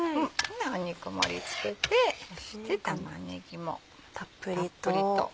肉盛り付けてそして玉ねぎもたっぷりと。